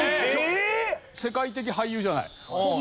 世界的俳優じゃない。